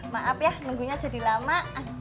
maaf ya nunggunya jadi lama